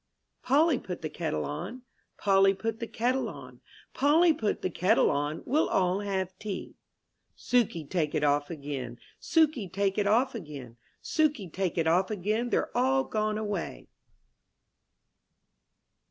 pOLLY put the kettle on, ^ Polly put the kettle on, Polly put the kettle on, We'll all have tea. Sukey take it off again, Sukey take it off again, Sukey take it off again They* re all gone away.